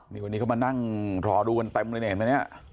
มีคนนี้เข้ามานั่งรอดูกันเต็มเลยเห็นไหม